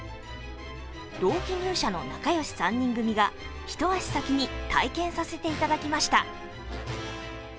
同期入社の仲よし３人組が一足先に体験させていただきました。